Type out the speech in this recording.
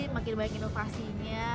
makin banyak inovasinya